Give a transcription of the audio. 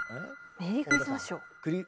『メリー・クリスマスショー』？